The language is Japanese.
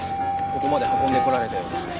ここまで運んでこられたようですね。